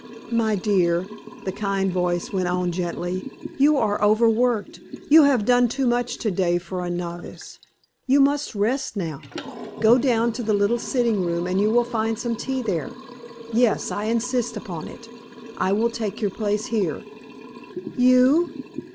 "My dear," the kind voice went on, gently, "you are overworked; you have done too much today for a novice; you must rest now. Go down to the little sitting room and you will find some tea there. Yes, I insist upon it. I will take your place here." "You?"